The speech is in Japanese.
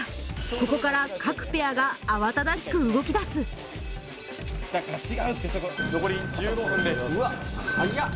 ここから各ペアが慌ただしく動きだすだから違うってそこ残り１５分ですわっはやっ